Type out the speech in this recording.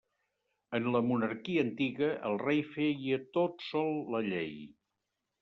En la monarquia antiga, el rei feia tot sol la llei.